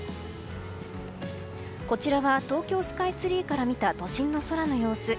こちらは東京スカイツリーから見た都心の空の様子。